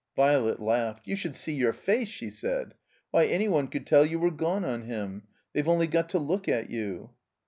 Violet laughed. "You should see your face," she said. "Why — any one cotdd tdl you were gone on him. They*ve only got to look at you.'